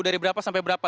dari berapa sampai berapa